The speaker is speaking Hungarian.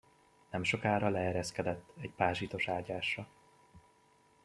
Nemsokára leereszkedett egy pázsitos ágyásra.